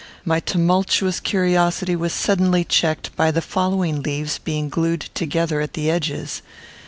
My tumultuous curiosity was suddenly checked by the following leaves being glued together at the edges.